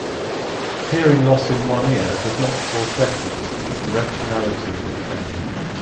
Hearing loss in one ear does not cause deafness but directionality is impaired.